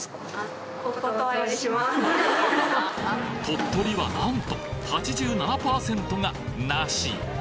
鳥取はなんと８７％がナシ